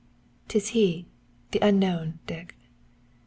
"'Tis he, the unknown, Dick."